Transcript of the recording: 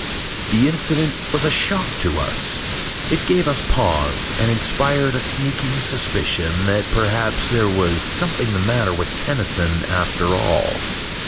The incident was a shock to us. It gave us pause and inspired a sneaking suspicion that perhaps there was something the matter with Tennyson after all.